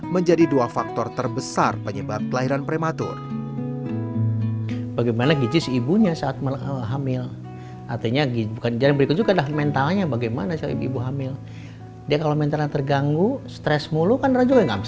menjadi dua faktor terbesar penyebab kelahiran prematur